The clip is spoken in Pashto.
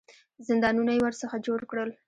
زندانونه یې ورڅخه جوړ کړل.